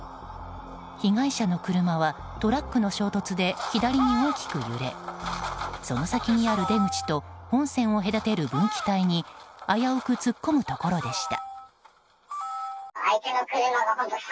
被害者の車はトラックの衝突で左に大きく揺れその先にある出口と本線を隔てる分岐帯に危うく突っ込むところでした。